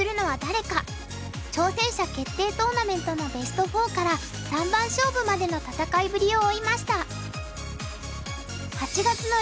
挑戦者決定トーナメントのベスト４から三番勝負までの戦いぶりを追いました。